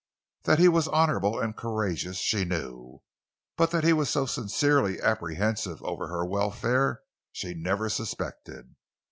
That he was honorable and courageous, she knew; but that he was so sincerely apprehensive over her welfare she had never suspected.